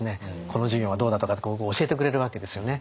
この授業はどうだとか教えてくれるわけですよね。